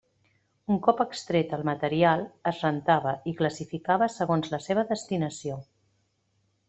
Un cop extret el material es rentava i classificava segons la seva destinació.